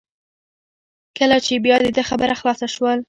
کله چې بیا د ده خبره خلاصه شول.